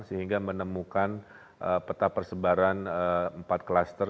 sehingga menemukan peta persebaran empat klaster